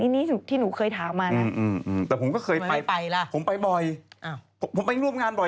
นี่ที่หนูเคยถามมาแล้วทำไมไม่ไปล่ะผมไปบ่อยผมไปร่วมงานบ่อย